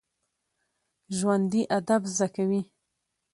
ژوندي ادب زده کوي